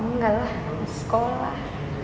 nggak lah mau sekolah